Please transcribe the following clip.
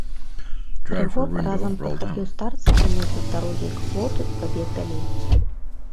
Рыгор разам падхапіў старца, аднёс з дарогі к плоту і пабег далей.